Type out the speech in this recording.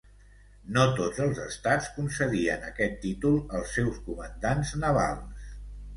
No tots els estats concedien aquest títol als seus comandants navals.